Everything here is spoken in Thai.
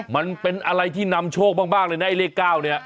มันเป็นอะไรที่นำโชคมากเลยนะไอ้เลข๙เนี่ย